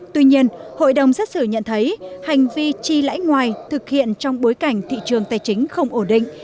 tuy nhiên hội đồng xét xử nhận thấy hành vi chi lãi ngoài thực hiện trong bối cảnh thị trường tài chính không ổn định